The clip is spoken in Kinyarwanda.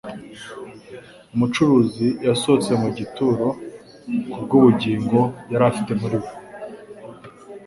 Umucunguzi yasohotse mu gituro kubw'ubugingo yari afite muri we.